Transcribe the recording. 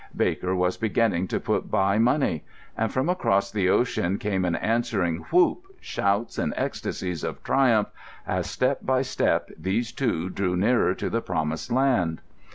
Baker was beginning to put by money. And from across the ocean came an answering whoop, shouts and ecstasies of triumph, as, step by step, these two drew nearer to the Promised Land.